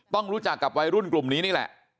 รู้จักกับวัยรุ่นกลุ่มนี้นี่แหละ